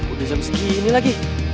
udah sampe segini lagi